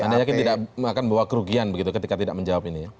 anda yakin tidak akan bawa kerugian begitu ketika tidak menjawab ini ya